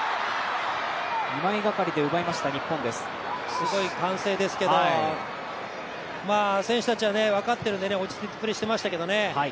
すごい歓声ですけど選手たちは、分かっているので落ち着いてプレーしていましたけどね。